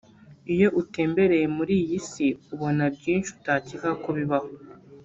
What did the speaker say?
Iyo utembereye muri iyi si ubona byinshi utakekaga ko bibaho